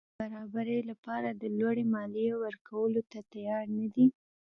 هغوی د برابرۍ له پاره د لوړې مالیې ورکولو ته تیار نه دي.